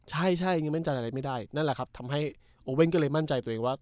ใช่ยังมั่นใจอะไรไม่ได้นั่นแหละครับทำให้โอเว่นก็เลยมั่นใจตัวเองว่า